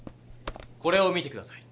これを見て下さい。